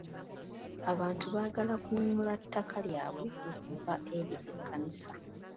Abantu baagala kununula takka lyabwe okuva eri ekkanisa.